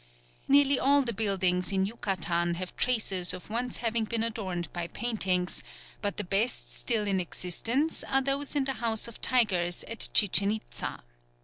Nearly all the buildings in Yucatan have traces of once having been adorned by paintings; but the best still in existence are those in the House of Tigers at Chichen Itza.